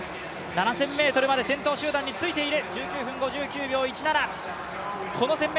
７０００ｍまで先頭集団についている。